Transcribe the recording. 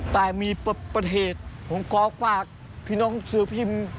แต่มีประเทศผมขอฝากพี่น้องสื่อพิมพ์